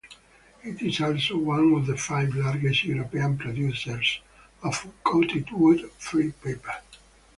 It is also one of the five largest European producers of uncoated wood-free paper.